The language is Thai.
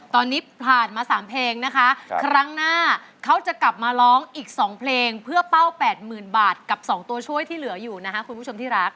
ตอนนี้ผ่านมา๓เพลงนะคะครั้งหน้าเขาจะกลับมาร้องอีก๒เพลงเพื่อเป้า๘๐๐๐บาทกับ๒ตัวช่วยที่เหลืออยู่นะคะคุณผู้ชมที่รัก